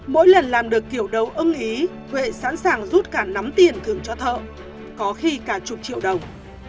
mỗi lần làm được kiểu đấu ưng ý huệ sẵn sàng rút cả nắm tiền thường cho thợ có khi cả chục triệu đồng